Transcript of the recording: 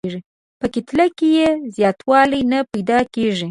په کتله کې یې زیاتوالی نه پیدا کیږي.